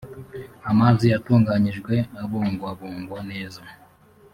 amazi yatunganyijwe abungwabungwa neza